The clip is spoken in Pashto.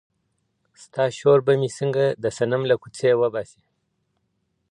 ستا شور به مي څنګه د صنم له کوڅې وباسي